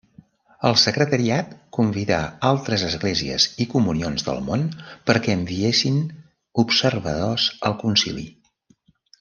El Secretariat convidà altres Esglésies i Comunions del Món perquè enviessin observadors al Concili.